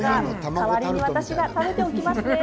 代わりに私が食べておきますね。